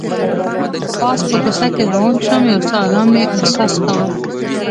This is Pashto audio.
پاس په کوڅه کې روان شوم، یو څه ارام مې احساس کاوه.